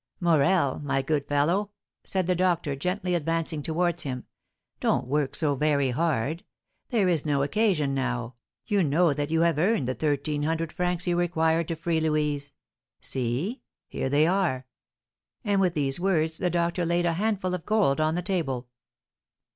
"Morel, my good fellow," said the doctor, gently advancing towards him, "don't work so very hard; there is no occasion now, you know that you have earned the thirteen hundred francs you required to free Louise. See, here they are!" and with these words the doctor laid a handful of gold on the table.